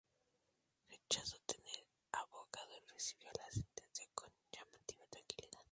Rechazó tener abogado y recibió la sentencia con llamativa tranquilidad.